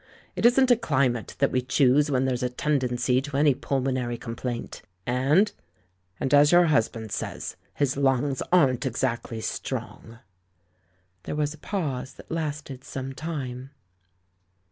It isn't a climate that we choose when there's a tendency to any pulmonary com plaint, and — and, as your husband says, his lungs aren't exactly strong." There was a pause that lasted some time.